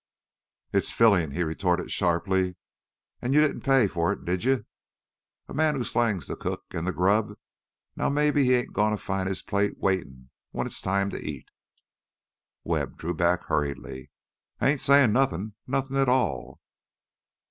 "It's fillin'," he retorted sharply. "An' you didn't pay for it, did you? A man who slangs th' cook an' the grub now maybe he ain't gonna find his plate waitin' when it's time to eat " Webb drew back hurriedly. "I ain't sayin' nothin', nothin' at all!"